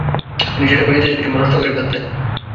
তিনি সেটি ফিরিয়ে দিতেন কিংবা নষ্ট করে ফেলতেন।